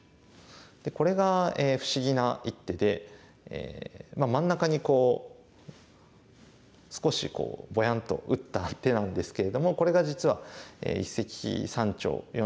これが不思議な一手で真ん中にこう少しボヤンと打った手なんですけれどもこれが実は一石三鳥四鳥の一手でした。